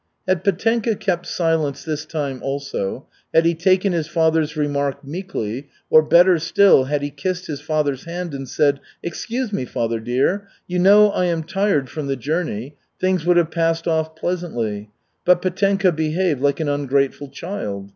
Had Petenka kept silence this time also, had he taken his father's remark meekly, or better still, had he kissed his father's hand and said, "Excuse me, father dear, you know I am tired from the journey," things would have passed off pleasantly. But Petenka behaved like an ungrateful child.